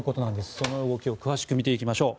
その動きを詳しく見ていきましょう。